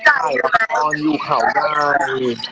ถ่ายละครอยู่เข่าย่าย